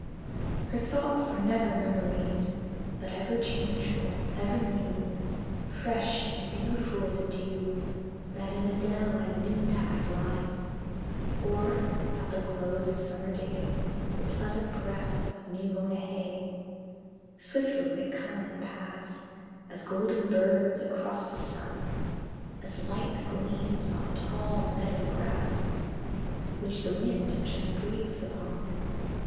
IV. Her thoughts are never memories, But ever changeful, ever new, Fresh and beautiful as dew That in a dell at noontide lies, Or, at the close of summer day, The pleasant breath of new mown hay: Swiftly they come and pass As golden birds across the sun, As light gleams on tall meadow grass Which the wind just breathes upon.